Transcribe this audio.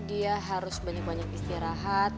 dia harus banyak banyak istirahat